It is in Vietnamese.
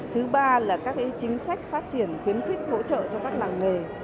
thứ ba là các chính sách phát triển khuyến khích hỗ trợ cho các làng nghề